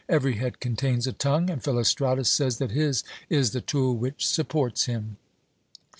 Every head contains a tongue, and Philostratus says that his is the tool which supports him."